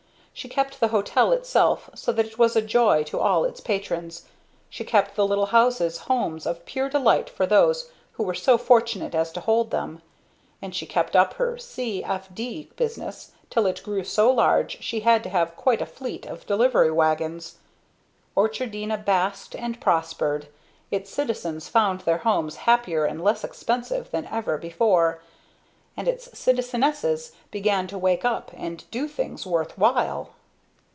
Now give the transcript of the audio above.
She kept the hotel itself so that it was a joy to all its patrons; she kept the little houses homes of pure delight for those who were so fortunate as to hold them; and she kept up her "c. f. d." business till it grew so large she had to have quite a fleet of delivery wagons. Orchardina basked and prospered; its citizens found their homes happier and less expensive than ever before, and its citizenesses began to wake up and to do things worth while.